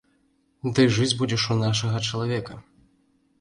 Ты жыць будзеш у нашага чалавека.